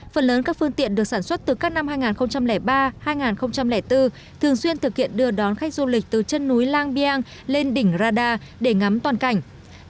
phần lớn các phương tiện được sản xuất từ các năm hai nghìn ba hai nghìn bốn thường xuyên thực hiện đưa đón khách du lịch từ chân núi lang biang lên đỉnh radar để ngắm toàn cảnh